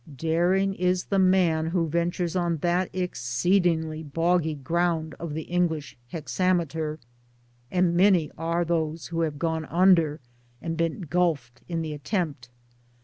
1 Daring is the man who ventures on that exceedingly boggy ground of the English hexameter, and many are those who have gone under and been gulfed in the attempt.